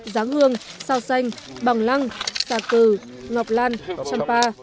giáng hương sao xanh bằng lăng xà cừ ngọc lan trăm ba